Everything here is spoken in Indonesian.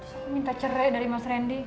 terus aku minta cerai dari mas randy